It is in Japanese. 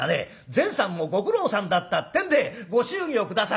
善さんもご苦労さんだった』ってんでご祝儀を下さる。